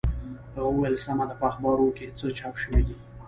هغه وویل سمه ده په اخبارو کې څه چاپ شوي دي.